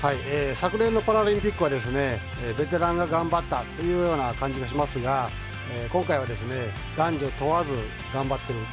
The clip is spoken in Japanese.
昨年のパラリンピックはベテランが頑張ったというような感じがしますが今回は男女問わず頑張っている。